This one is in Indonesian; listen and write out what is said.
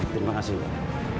terima kasih pak